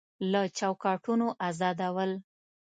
له چوکاټونو ازادول